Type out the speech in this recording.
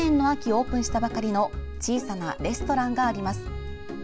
オープンしたばかりの小さなレストランがあります。